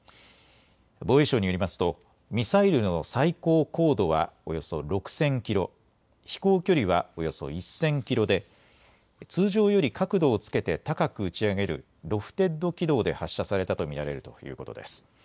防衛省によりますとミサイルの最高高度はおよそ６０００キロ、飛行距離はおよそ１０００キロで通常より角度をつけて高く打ち上げるロフテッド軌道で発射されたと見られるということです。